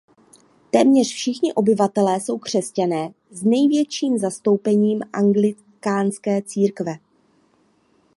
Téměř všichni obyvatelé jsou křesťané s největším zastoupením anglikánské církve.